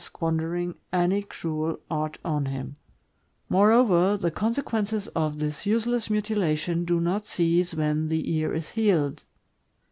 539 squandering any cruel art on him; moreover, the consequences of this useless mutilation do not cease when the ear is healed.